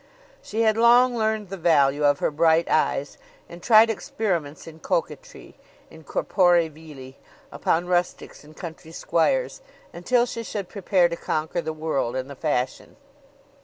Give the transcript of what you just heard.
She had long learned the value of her bright eyes, and tried experiments in coquetry, in corpore vili, upon rustics and country squires, until she should prepare to conquer the world and the fashion.